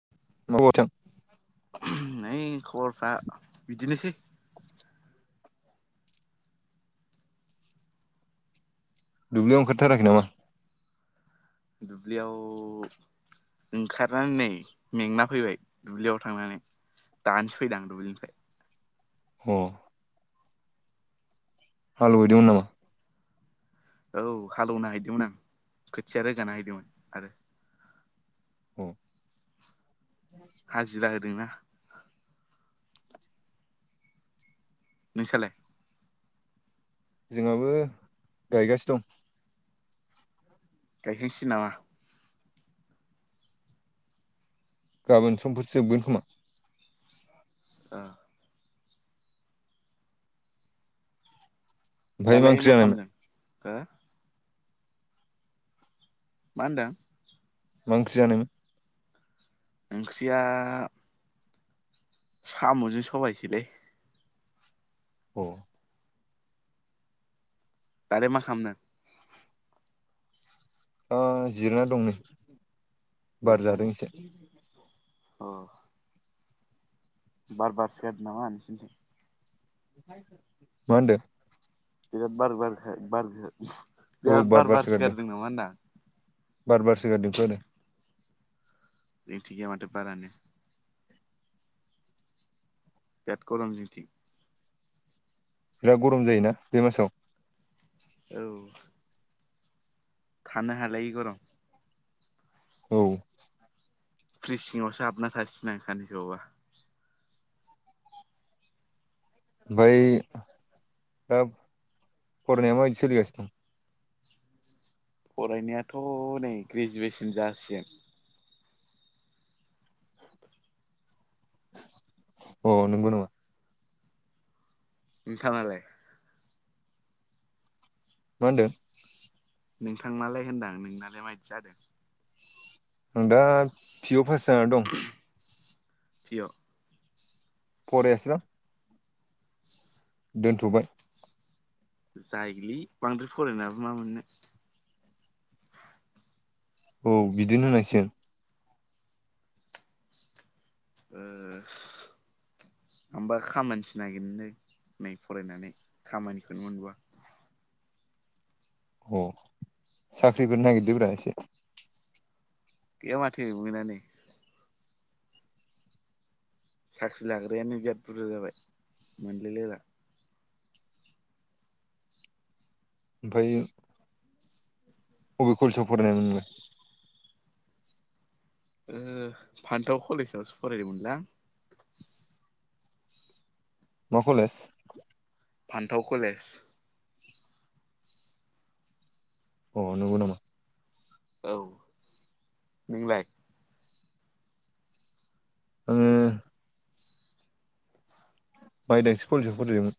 [unintelligible] ओय‌ खबरफ्रा बिदिनोसै दुब्लियाव ओंखारथाराखै नामा? दुब्लियाव ओंखारनानै नै मेंना फैबाय दुब्लियाव थांनानै दानोस फैदां दुबलिनिफ्राय ह हालुहैदोंमोन नामा? औ हालौवनो हैदोंमोन आं खोथिया रोगान हैदोंमोन आरो अ हाजिरा होदोंना? नोंसालाय? जोंहाबो गायगासिनो दं गायखां सिगोन नामा? गाबोन समफोरसो जोबगोन खोमा ओ ओमफ्राय मा दालाय ओंख्रिजानायमोन खालामदों हो मा होनदों मा ओंख्रि जानाय मोन ओंख्रिया साम'जों सबाइ सोलै अ दालाइ माखालामदों ओ जिरायना दं नै। बार जादों एसे [unintelligible] अ बार बारसो गारदों नामा नोंसिनिथिं? मा होनदो? बिराद बार-बार-बार बिराद बार बारसो गारदों नामा होन्दां? बार बारसोगारदोंथ' आरो। जोंथिजाय माथो बारानो। बिराद गरम जोंथिं बिराद गरम जायोना बे मासाव। औ। थानो हालायि गरम। औ फ्रिस सिङावसो हाबना थानोसै आं सानैसो बावबा। ओमफ्राय दा फरायनाया माबायदि सोलिगासिनो दं? फरायनायाथ' नै ग्रेजुवेसन जासिगोन। अ नंगौ नामा? नोंथाङालाय? मा होनदों? नोंथांनालाय होनदां नोंनालाय मायदि जादों? आं दा पि अ पास जानानै दं। पि अ फरायासोलां दोनथ'बाय जाय लै बांद्राय फरायनायाबो मा मोननो। औ बिदिनो होनांसिगोन। ओ आंबा खामानिसो नागिरनो नै फरायनानै खामानिखौनो मोनबोवा। अ साख्रिफोर नागिरदों ब्रा एसे। गैया माथो मोनानो। साख्रि लाग्रायानो बिराद बुरजा जाबाय मोनलायलायला। ओमफायो अ बे कलेसआव फरायनाय मोन नोंलाय? ओ फान्थाव कलेजावसो फरायदोंमोनलां। मा कलेज? फान्थाव कलेज। अ नंगौ नामा? औ नोंलाय? आङो मायदांस्रि कलेज आव फरायदोंमोन।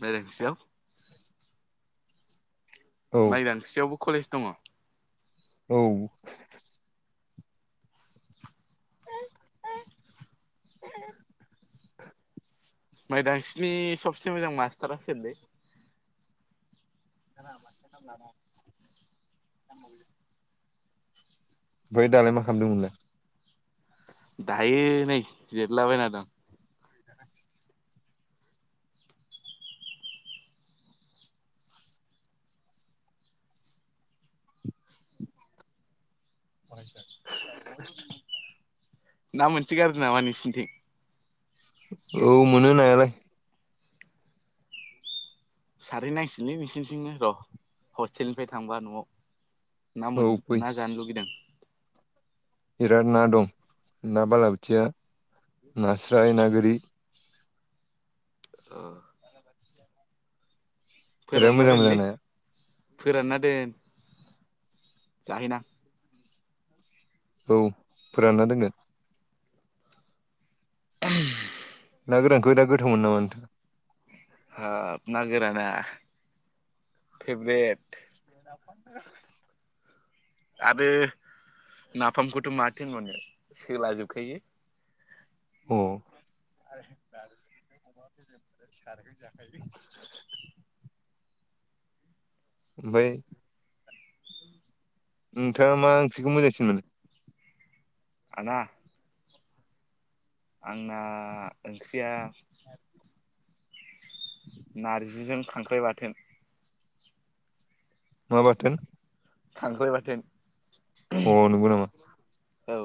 मायदांस्रियाव औ माइदांस्रियावबो कलेज दङ? औ। [inaudible] माइदांसिनि सबसे मोजां मास्टारा सोरलै? [unintelligible] मफ्राय दालाय मा खालामदोंमोनलाय? दायो नै जेथलाबायना दं [inaudible] [inaudible] ना मोनसो गारो नामा नोंसोरनिथिं। औ मोनो नायालाय। सारहैनांसिगोनलै नोंसोरनिथिंनो र हस्टेलनिफ्राय थांबा नआव। ना औ मोन फै ना जानो लुगैदों। बिराद ना दं ना बालाबोथिया नास्राय ना गोरि। ओ। बिराद फोरानना मोजां मोजां दोनलै नाया। फोरानना दोन जाहैनां। औ फोरानना दोनगोन। ना गोरानखौ दा गोथावमोनो नामा नोंथांआ। हाब ना गोराना फेभरेट। [inaudible] आरो। नाफामखौथ माथो होनबावनो सोला जोबखायो। औ। सारहो जाखायो। बै। नोंथांङा मा ओंख्रिखौ मोजांसिन मोनो। आंना। आंना ओंख्रिया। नारजिजों खांख्राइ बाथोन। मा बाथोन। खांख्राय बाथोन। अ नंगौ नामा। औ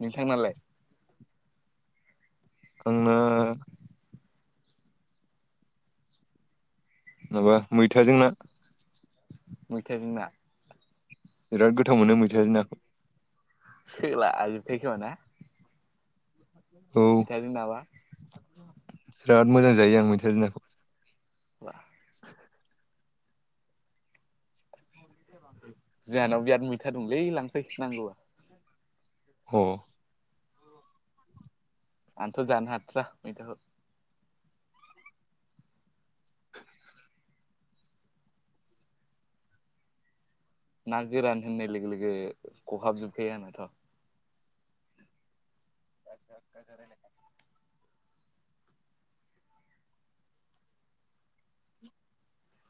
नोंथांनालाय। आंना। माबा मैथाजों ना। मैथायजों ना। बिराद गोथाव मोनो मैथाजों नाखौ। सोला जोबखायो खोमा ना। औ मैथाजों नाबा। बिराद मोजां जायो आं मैथाजों नाखौ। बा। [inaudible] [inaudible] जोंहानाव बिराद मैथा दंलै लांफै नांगौबा। ह। आंथ जानो हाथ्रा मैथाखौ। ना गोरान होननाय लोगो लोगो खहाब जोबखायो आंनाथ। [inaudible]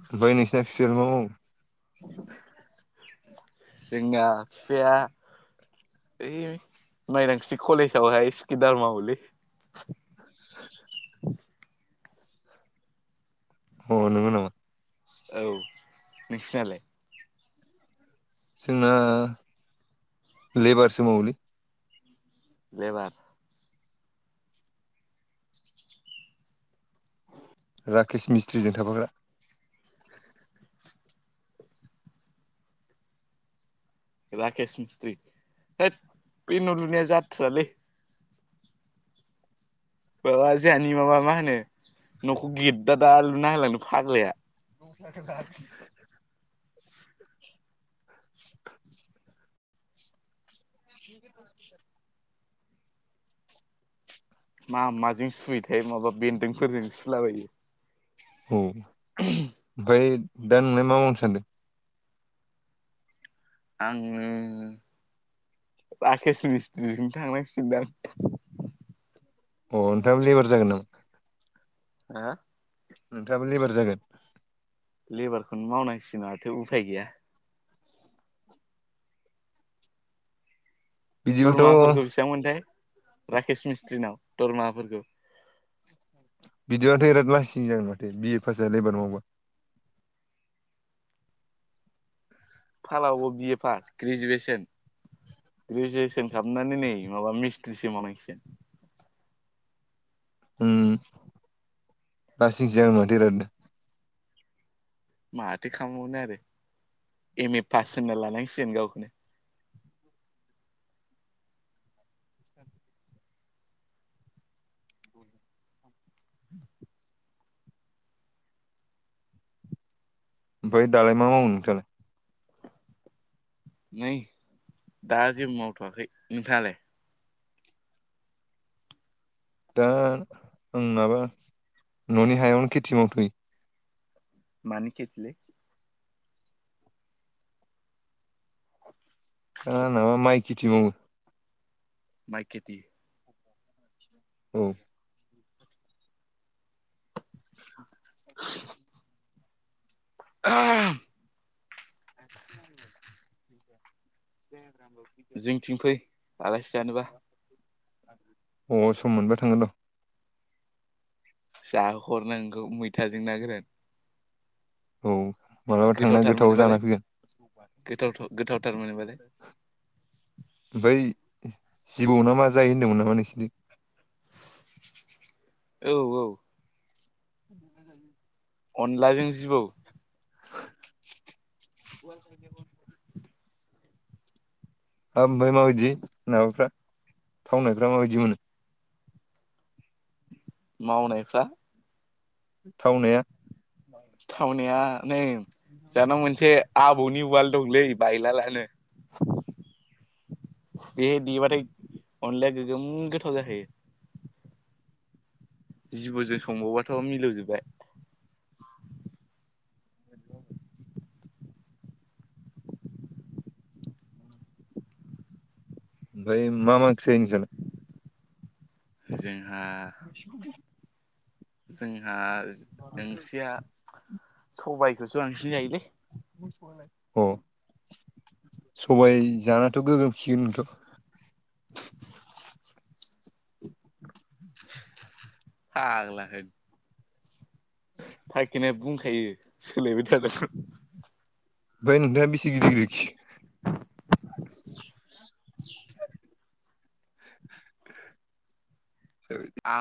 ओमफ्राय नोंसिना फिफाया मा मावो। जोंना बिफाया ओइ माइदां स्रि कलेजावहाय सुकिदार मावोलै। अ नंगौ नामा। औ नोंसिनालाय? जोंना लेबारसो मावोलै। लेबार राकेश मिस्ट्रिजों थाफाग्रा। राकेस मिस्त्रि होथ बे न लुनाया जाथ्रालै। माबा जोंहानि माबा मा होनो न'खौ गेददा दा लुना होलांदों फाग्लाया। [inaudible] [inaudible] मा माजों सुहयोथाय माबा बेन्दोंफोरजों सुलाबायो औ ओमफ्राय दा नोंना मा मावनो सानदों। आङो राकेस मिस्त्रिजों थांनाय सिदानथ अ नोंथाङ लेबार जागोन नामा? आ नोंथाङाबो लेबार जागोन। लेबारखौनो मावनांसिगनो माथो उफाय गैया। बिदिबाथ' दरमाफोरखौ बेसेबांमोनथाय राकेस मिस्थ्रिनाव दरमाफोरखौ बिदिबाथ' बिराद लासिं जागोन माथो बि ए पास जाया लेबार मावबा फाला अबाव बिए पास ग्रेजुवेसन ग्रेजुवेसन खालामनानै नै माबा मिस्ट्रिसो मावनांसिगोन। उम लासिं सिं जागोन बिरादनो माथो खालामबावनो आरो एम ए पास होनना लानांसिगोन गावखौनो। ओमफ्राय दालाय मा मावनो नोंथाङालाय नै दा जेबो मावथ'वाखै नोंथाङालाय? दा आं माबा न'नि हायावनो खेथि मावथै। मानि खेथिलै? ओ न'आव माइखेथि मावो। माइ खेथि औ [inaudible] [inaudible] [inaudible] अ फै आलासि जानोबा सम मोनबा थागोन औ जाहो हरनो आं नोंखौ मैथाजों ना गोरान औ मालाबा थांना गोथावथार गोथाव जाना मोनोबालाय फैगोन गो-गोथावथार मोनोबालाय। ओमफाय जिबौ नामा जायो होनदोंमोन नामा नोंसिरनिथिं औ औ अनलाजों जिबौ [inaudible] हाबा ओमफ्राय माबायदि माबाफ्रा थावनायफ्रा माबायदि मोनो? मावनायफ्रा थावनाया थावनायया नै जाना मोनसे आबौनि उवाल दंलै बायला लानो बेहाय देबाथाय अनलाया गोगोम गोथाव जाखोयो। जिबौजों संबावबाथ' मिलौजोबबाय। ओमफ्राय मा मा ओंख्रि जायो नोंसालाइ जों [inaudible] जोंहा [unintelligible] सबायाइखौसो आांसिन जाहोलै ह सबाय जानाथ' गोगोमखिगोनथ' [inaudible] ह आग्ला है फाइखिनाय बुंखायो सोलायबाय थ बाय नोना बेसि गिदिर गिदिर खि [inaudible] [inaudible] आं